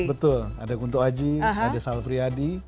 betul ada guntuk aji ada sal priadi